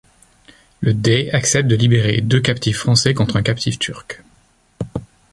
Le dey accepte de libérer deux captifs Français contre un captif Turc.